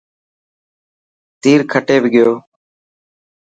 تير کٽي گيو.